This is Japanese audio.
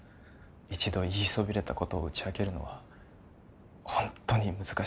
一度言いそびれたことを打ち明けるのはほんとに難しいから